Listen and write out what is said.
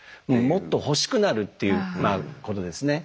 もっと欲しくなるっていうことですね。